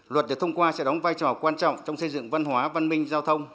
luật được thông qua sẽ đóng vai trò quan trọng trong xây dựng văn hóa văn minh giao thông